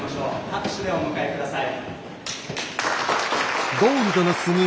拍手でお迎え下さい。